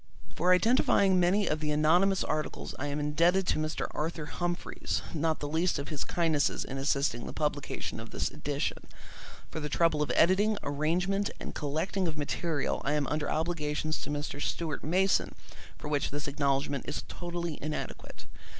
For identifying many of the anonymous articles I am indebted to Mr. Arthur Humphreys, not the least of his kindnesses in assisting the publication of this edition; for the trouble of editing, arrangement, and collecting of material I am under obligations to Mr. Stuart Mason for which this acknowledgment is totally inadequate.